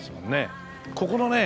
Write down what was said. ここのね